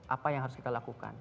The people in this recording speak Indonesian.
apa yang harus kita lakukan